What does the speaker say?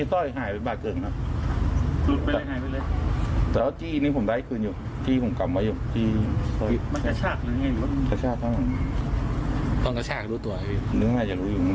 เทียบต่อยเว้ย